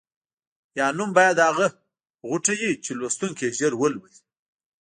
یا نوم باید هغه غوټه وي چې لوستونکی یې ژر ولولي.